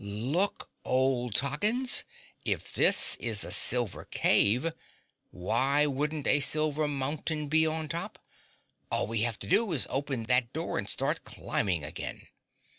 Look, old Toggins, if this is a silver cave, why wouldn't a Silver Mountain be on top? All we have to do is open that door and start climbing again."